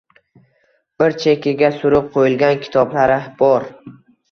Bir chekkaga surib qoʻyilgan kitoblar bor